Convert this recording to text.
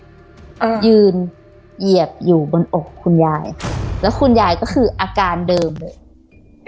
อ่ายืนเหยียบอยู่บนอกคุณยายแล้วคุณยายก็คืออาการเดิมเลย